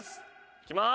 いきます。